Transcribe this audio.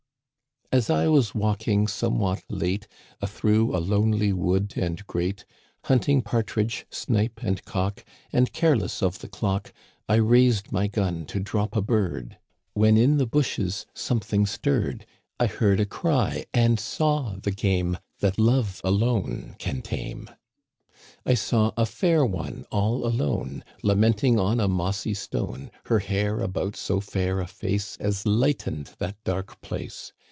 As I was walking, somewhat late, A through a lonely wood and great. Hunting partridge, snipe, and cock. And careless of the clock, I raised my gun to drop a bird. When in the bashes something stirred ; I heard a cry — and saw the game That love alone can tame. I saw a fair one> all alone, Lamenting on a mossy stone. Her hair about so fair a face As lightened that dark place.